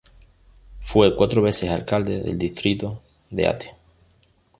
Fue cuatro veces alcalde del distrito de Ate.